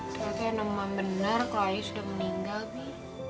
ternyata yang namanya bener kalo ayu sudah meninggal bi